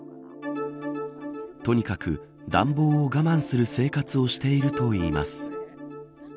とにかく暖房を我慢する生活をしているといいます。